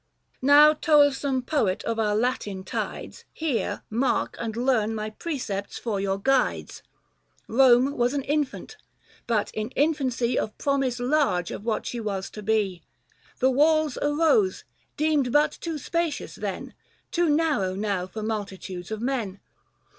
185 Now toilsome poet of our Latin tides Hear, mark, and learn my precepts for your guides :— Kome was an infant, but in infancy Of promise large of what she was to be ; The walls arose, deemed but too spacious then 190 Too narrow now for multitudes of men.